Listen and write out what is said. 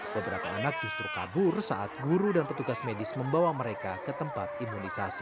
beberapa anak justru kabur saat guru dan petugas medis membawa mereka ke tempat imunisasi